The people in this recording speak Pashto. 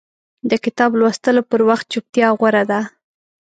د کتاب لوستلو پر وخت چپتیا غوره ده.